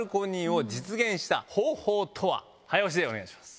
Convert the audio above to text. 早押しでお願いします。